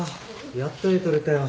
やっとＡ取れたよ。